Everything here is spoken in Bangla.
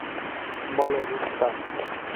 বলো, রুস্টার।